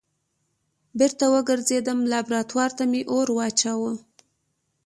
بېرته وګرځېدم لابراتوار ته مې اور واچوه.